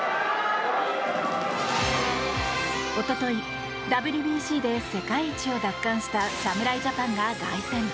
一昨日ＷＢＣで世界一を奪還した侍ジャパンが凱旋。